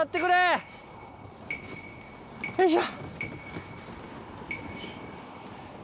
よいしょ。